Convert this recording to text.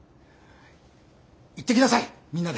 行ってきなさいみんなで。